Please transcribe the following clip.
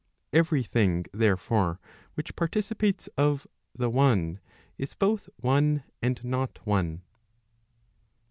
Every thing, therefore, which participates of the one, is both one, and not one.